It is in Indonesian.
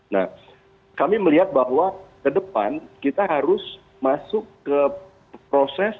nah kami melihat bahwa ke depan kita harus masuk ke proses